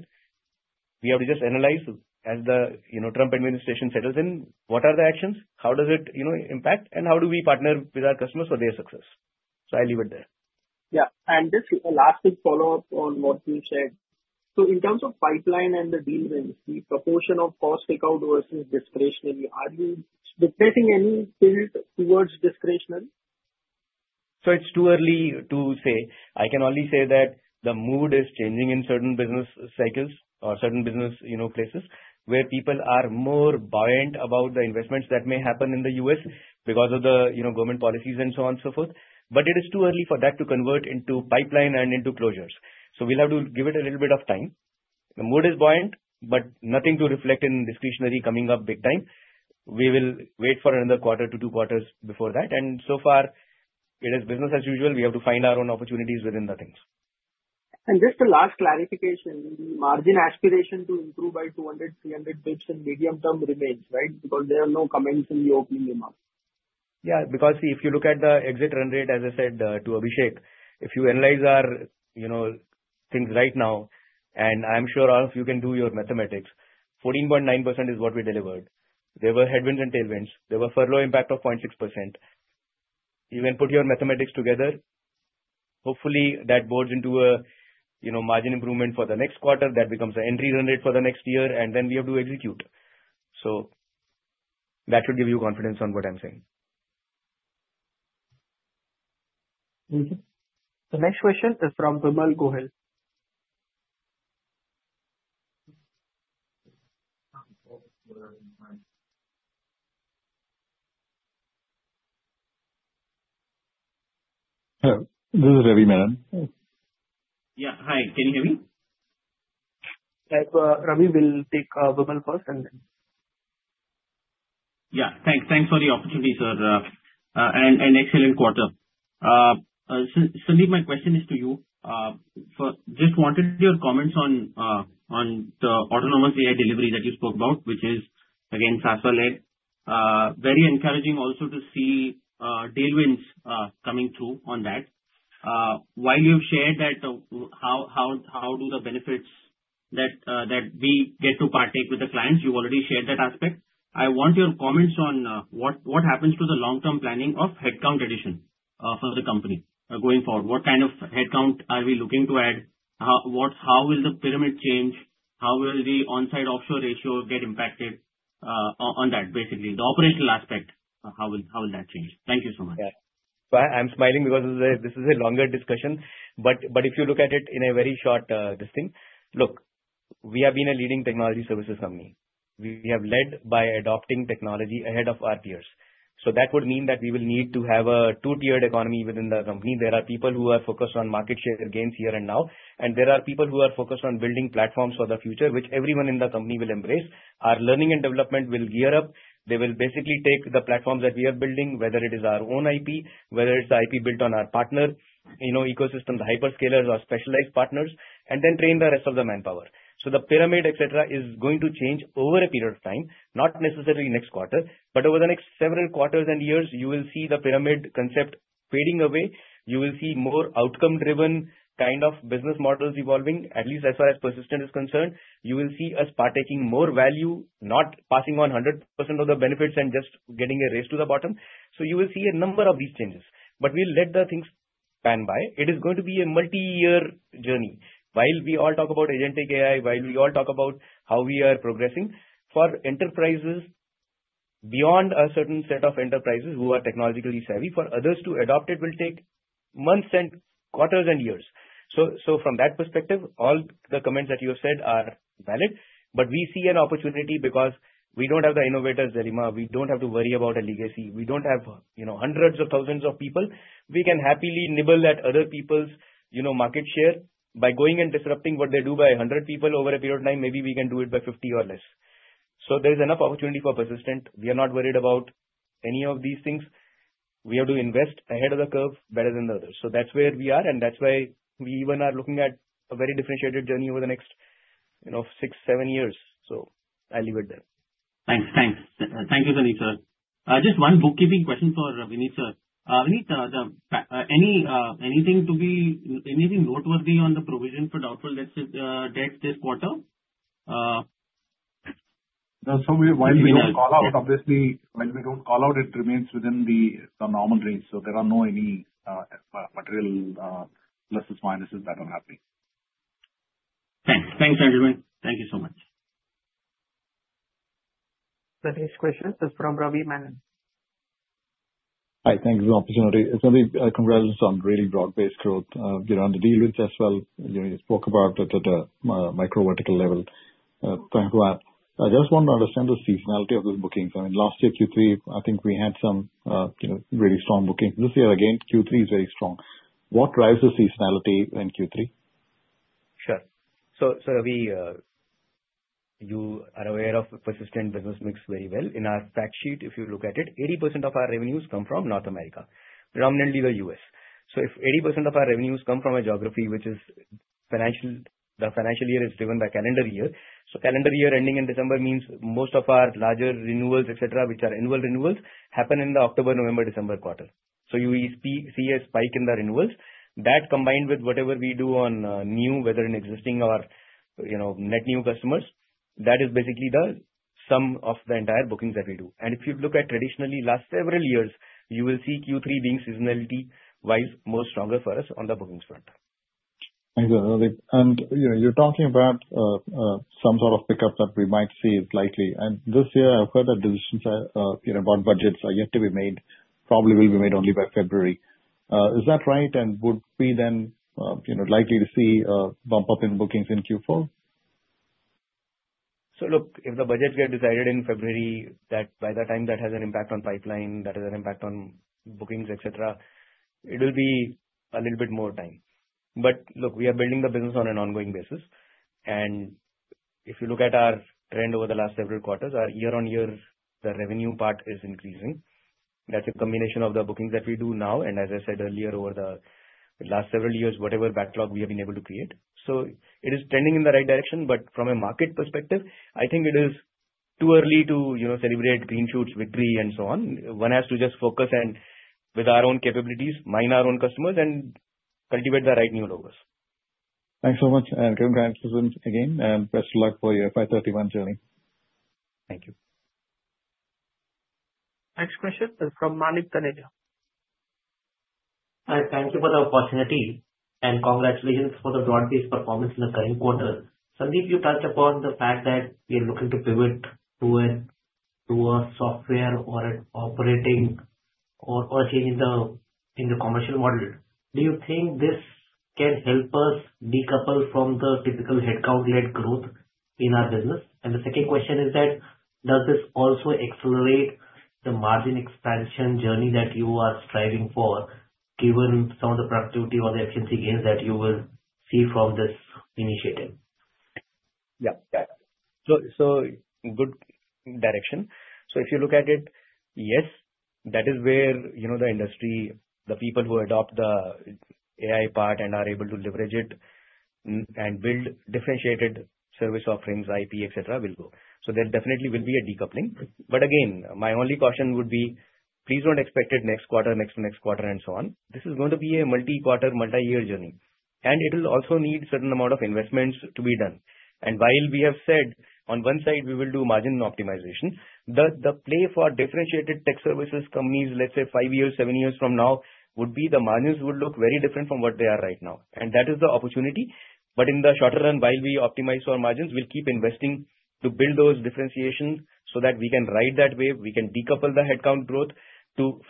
We have to just analyze as the, you know, Trump administration settles in, what are the actions, how does it, you know, impact, and how do we partner with our customers for their success? So I'll leave it there. Yeah. And just a last quick follow-up on what you said. So in terms of pipeline and the deal range, the proportion of cost takeout versus discretionary, are you detecting any tilt towards discretionary? So it's too early to say. I can only say that the mood is changing in certain business cycles or certain business, you know, places where people are more buoyant about the investments that may happen in the U.S. because of the, you know, government policies and so on and so forth. But it is too early for that to convert into pipeline and into closures. So we'll have to give it a little bit of time. The mood is buoyant, but nothing to reflect in discretionary coming up big time. We will wait for another quarter to two quarters before that. And so far, it is business as usual. We have to find our own opportunities within the things. And just the last clarification, the margin aspiration to improve by 200-300 basis points in medium-term remains, right? Because there are no comments in the opening remarks. Yeah, because if you look at the exit run rate, as I said to Abhishek, if you analyze our, you know, things right now, and I'm sure all of you can do your mathematics, 14.9% is what we delivered. There were headwinds and tailwinds. There were furlough impact of 0.6%. You can put your mathematics together. Hopefully, that bodes into a, you know, margin improvement for the next quarter that becomes an entry run rate for the next year, and then we have to execute. So that should give you confidence on what I'm saying. Thank you. The next question is from Vimal Gohil. Hello. This is Ravi Menon. Yeah, hi. Can you hear me? Ravi, we'll take Vimal first and then. Yeah, thanks. Thanks for the opportunity, sir. And an excellent quarter. Sandeep, my question is to you. Just wanted your comments on the autonomous AI delivery that you spoke about, which is, again, SaaS led. Very encouraging also to see tailwinds coming through on that. While you've shared that, how do the benefits that we get to partake with the clients, you've already shared that aspect. I want your comments on what happens to the long-term planning of headcount addition for the company going forward. What kind of headcount are we looking to add? How will the pyramid change? How will the onsite-offshore ratio get impacted on that? Basically, the operational aspect, how will that change? Thank you so much. Yeah. So I'm smiling because this is a longer discussion. But if you look at it in a very short distance, look, we have been a leading technology services company. We have led by adopting technology ahead of our peers. So that would mean that we will need to have a two-tiered economy within the company. There are people who are focused on market share gains here and now, and there are people who are focused on building platforms for the future, which everyone in the company will embrace. Our learning and development will gear up. They will basically take the platforms that we are building, whether it is our own IP, whether it's the IP built on our partner, you know, ecosystem, the hyperscalers or specialized partners, and then train the rest of the manpower. So the pyramid, et cetera, is going to change over a period of time, not necessarily next quarter, but over the next several quarters and years, you will see the pyramid concept fading away. You will see more outcome-driven kind of business models evolving, at least as far as Persistent is concerned. You will see us partaking more value, not passing on 100% of the benefits and just getting a race to the bottom. So you will see a number of these changes. But we'll let the things pan by. It is going to be a multi-year journey. While we all talk about agentic AI, while we all talk about how we are progressing, for enterprises beyond a certain set of enterprises who are technologically savvy, for others to adopt it will take months and quarters and years. So from that perspective, all the comments that you have said are valid. But we see an opportunity because we don't have the innovator's dilemma. We don't have to worry about a legacy. We don't have, you know, hundreds of thousands of people. We can happily nibble at other people's, you know, market share by going and disrupting what they do by 100 people over a period of time. Maybe we can do it by 50 or less. So there is enough opportunity for Persistent. We are not worried about any of these things. We have to invest ahead of the curve better than the others. So that's where we are, and that's why we even are looking at a very differentiated journey over the next, you know, six, seven years. So I'll leave it there. Thanks. Thanks. Thank you, Sandeep sir. Just one bookkeeping question for Vinit sir. Vinit, anything to be, anything noteworthy on the provision for doubtful debts this quarter? So while we don't call out, obviously, while we don't call out, it remains within the normal range. So there are no any material pluses, minuses that are happening. Thanks. Thanks, everyone. Thank you so much. The next question is from Ravi Menon. Hi. Thanks for the opportunity. Sandeep, congrats on really broad-based growth. You're on the deal with SaaS well. You spoke about it at a micro vertical level. Thanks for that. I just want to understand the seasonality of those bookings. I mean, last year, Q3, I think we had some, you know, really strong bookings. This year, again, Q3 is very strong. What drives the seasonality in Q3? Sure. So Ravi, you are aware of Persistent business mix very well. In our factsheet, if you look at it, 80% of our revenues come from North America, predominantly the U.S. So if 80% of our revenues come from a geography which is financial, the financial year is driven by calendar year. So calendar year ending in December means most of our larger renewals, et cetera, which are annual renewals, happen in the October, November, December quarter. So you see a spike in the renewals. That combined with whatever we do on new, whether in existing or, you know, net new customers, that is basically the sum of the entire bookings that we do. And if you look at traditionally last several years, you will see Q3 being seasonality-wise more stronger for us on the bookings front. Thank you, Ravi. And you're talking about some sort of pickup that we might see slightly. And this year, I've heard that decisions, you know, about budgets are yet to be made, probably will be made only by February. Is that right? And would we then, you know, likely to see a bump up in bookings in Q4? So look, if the budgets get decided in February, that by the time that has an impact on pipeline, that has an impact on bookings, et cetera, it will be a little bit more time. But look, we are building the business on an ongoing basis. And if you look at our trend over the last several quarters, our year-on-year, the revenue part is increasing. That's a combination of the bookings that we do now, and as I said earlier, over the last several years, whatever backlog we have been able to create. So it is trending in the right direction, but from a market perspective, I think it is too early to, you know, celebrate green shoots, victory, and so on. One has to just focus and, with our own capabilities, mind our own customers and cultivate the right new logos. Thanks so much. And congrats again, and best of luck for your FY 2031 journey. Thank you. Next question is from Manik Taneja. Hi. Thank you for the opportunity and congratulations for the broad-based performance in the current quarter. Sandeep, you touched upon the fact that we are looking to pivot to a software or an operating or changing the commercial model. Do you think this can help us decouple from the typical headcount-led growth in our business? And the second question is that, does this also accelerate the margin expansion journey that you are striving for, given some of the productivity or the efficiency gains that you will see from this initiative? Yeah, yeah, so good direction, so if you look at it, yes, that is where, you know, the industry, the people who adopt the AI part and are able to leverage it and build differentiated service offerings, IP, et cetera, will go, so there definitely will be a decoupling, but again, my only caution would be, please don't expect it next quarter, next, next quarter, and so on. This is going to be a multi-quarter, multi-year journey, and it will also need a certain amount of investments to be done. While we have said, on one side, we will do margin optimization, the play for differentiated tech services companies, let's say five years, seven years from now, would be the margins would look very different from what they are right now. And that is the opportunity. But in the shorter run, while we optimize our margins, we'll keep investing to build those differentiations so that we can ride that wave. We can decouple the headcount growth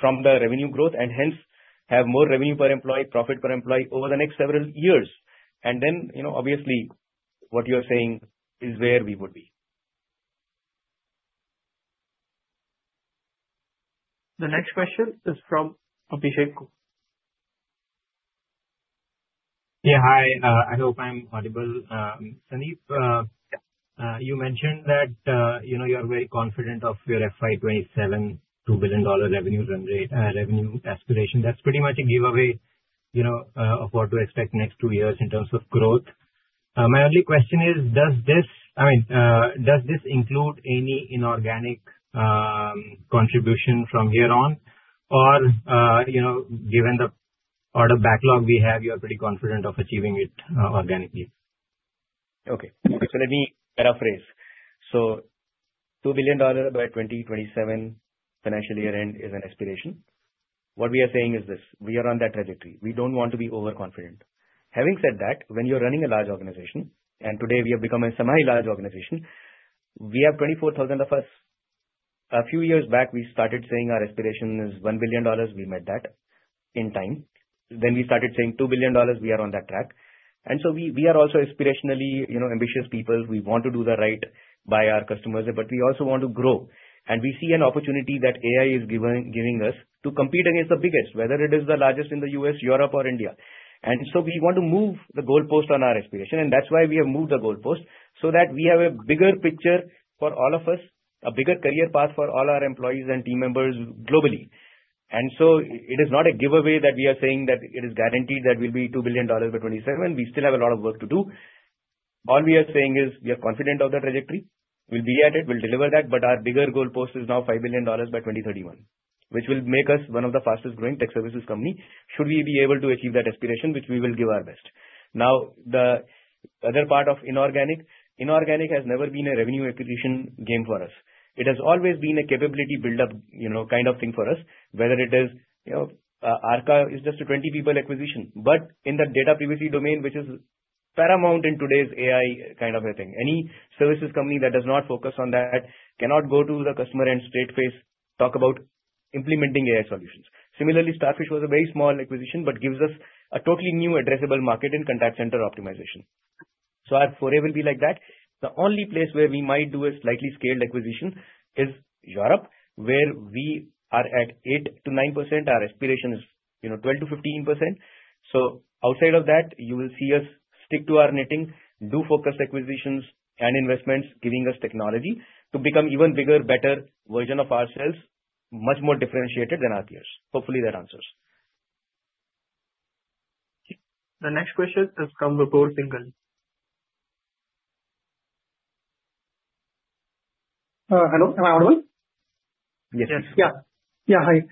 from the revenue growth and hence have more revenue per employee, profit per employee over the next several years. And then, you know, obviously, what you're saying is where we would be. The next question is from Vimal Gohil. Yeah, hi. I hope I'm audible. Sandeep, you mentioned that, you know, you're very confident of your FY27 $2 billion revenue run rate, revenue aspiration. That's pretty much a giveaway, you know, of what to expect next two years in terms of growth. My only question is, does this, I mean, does this include any inorganic contribution from here on? Or, you know, given the order backlog we have, you're pretty confident of achieving it organically? Okay. So let me paraphrase. So $2 billion by 2027 financial year end is an aspiration. What we are saying is this. We are on that trajectory. We don't want to be overconfident. Having said that, when you're running a large organization, and today we have become a semi-large organization, we have 24,000 of us. A few years back, we started saying our aspiration is $1 billion. We met that in time. Then we started saying $2 billion. We are on that track. And so we are also aspirationally, you know, ambitious people. We want to do the right by our customers, but we also want to grow. And we see an opportunity that AI is giving us to compete against the biggest. Whether it is the largest in the U.S., Europe, or India. And so we want to move the goal post on our aspiration. And that's why we have moved the goal post so that we have a bigger picture for all of us, a bigger career path for all our employees and team members globally. And so it is not a giveaway that we are saying that it is guaranteed that we'll be $2 billion by 2027. We still have a lot of work to do. All we are saying is we are confident of the trajectory. We'll be at it. We'll deliver that. But our bigger goal post is now $5 billion by 2031, which will make us one of the fastest growing tech services companies. Should we be able to achieve that aspiration, which we will give our best. Now, the other part of inorganic, inorganic has never been a revenue acquisition game for us. It has always been a capability build-up, you know, kind of thing for us. Whether it is, you know, Arrka is just a 20-person acquisition. But in the data privacy domain, which is paramount in today's AI kind of a thing, any services company that does not focus on that cannot go to the customer and straight face talk about implementing AI solutions. Similarly, Starfish was a very small acquisition, but gives us a totally new addressable market in contact center optimization. So our foray will be like that. The only place where we might do a slightly scaled acquisition is Europe, where we are at 8%-9%. Our aspiration is, you know, 12%-15%. So outside of that, you will see us stick to our knitting, do focused acquisitions and investments, giving us technology to become an even bigger, better version of ourselves, much more differentiated than our peers. Hopefully, that answers. The next question is from Vipul Singhal. Hello. Am I audible? Yes. Yeah. Yeah. Hi.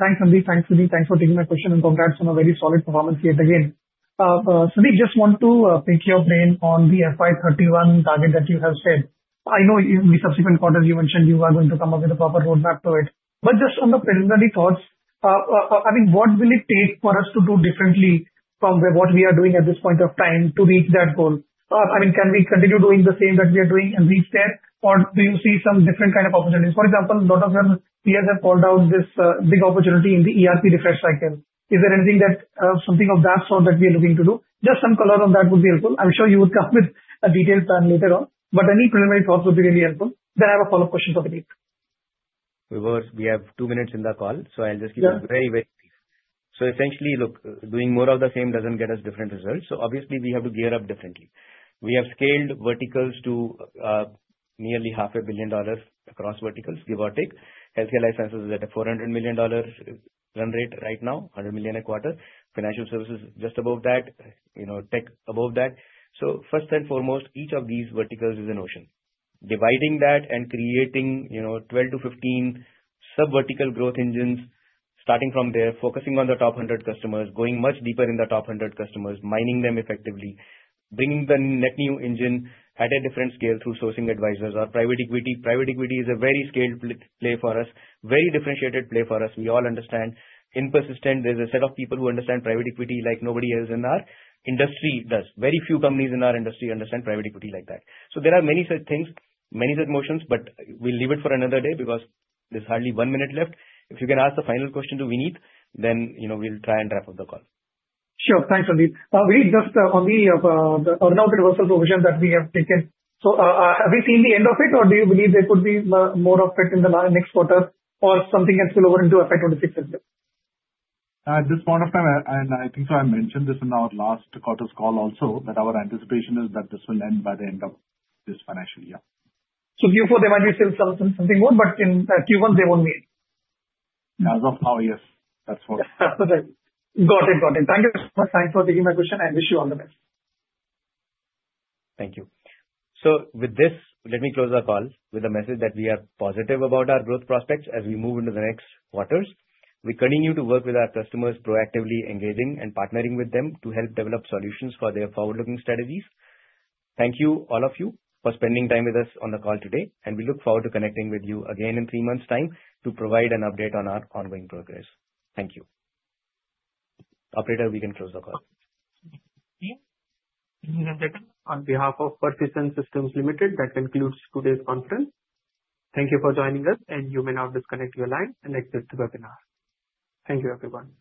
Thanks, Sandeep. Thanks for taking my question. And congrats on a very solid performance yet again. Sandeep, just want to pick your brain on the FY 2031 target that you have set. I know in the subsequent quarters, you mentioned you are going to come up with a proper roadmap to it. But just on the preliminary thoughts, I mean, what will it take for us to do differently from what we are doing at this point of time to reach that goal? I mean, can we continue doing the same that we are doing and reach there, or do you see some different kind of opportunities? For example, a lot of your peers have called out this big opportunity in the ERP refresh cycle. Is there anything that, something of that sort that we are looking to do? Just some color on that would be helpful. I'm sure you would come with a detailed plan later on. But any preliminary thoughts would be really helpful. Then I have a follow-up question for the group. Vipul, we have two minutes in the call, so I'll just keep it very, very brief. So essentially, look, doing more of the same doesn't get us different results. So obviously, we have to gear up differently. We have scaled verticals to nearly $500 million across verticals, give or take. Healthcare verticals are at a $400 million run rate right now, $100 million a quarter. Financial services just above that, you know, tech above that. So first and foremost, each of these verticals is an ocean. Dividing that and creating, you know, 12-15 sub-vertical growth engines starting from there, focusing on the top 100 customers, going much deeper in the top 100 customers, mining them effectively, bringing the net new engine at a different scale through sourcing advisors or private equity. Private equity is a very scaled play for us, very differentiated play for us. We all understand in Persistent, there's a set of people who understand private equity like nobody else in our industry does. Very few companies in our industry understand private equity like that. So there are many such things, many such motions, but we'll leave it for another day because there's hardly one minute left. If you can ask the final question to Vinit, then, you know, we'll try and wrap up the call. Sure. Thanks, Sandeep. Vinit, just on the ongoing reversal provision that we have taken, so have we seen the end of it, or do you believe there could be more of it in the next quarter, or something can spill over into FY26 as well? At this point of time, and I think so I mentioned this in our last quarter's call also, that our anticipation is that this will end by the end of this financial year. So Q4, there might be still something more, but in Q1, they won't meet. As of now, yes. That's what. Got it. Got it. Thank you so much. Thanks for taking my question, and wish you all the best. Thank you. With this, let me close the call with a message that we are positive about our growth prospects as we move into the next quarters. We continue to work with our customers, proactively engaging and partnering with them to help develop solutions for their forward-looking strategies. Thank you, all of you, for spending time with us on the call today. And we look forward to connecting with you again in three months' time to provide an update on our ongoing progress. Thank you. Operator, we can close the call. Teams, this is Nandita on behalf of Persistent Systems Limited. That concludes today's conference. Thank you for joining us, and you may now disconnect your line and exit the webinar. Thank you, everyone.